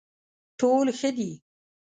ټول ښه دي.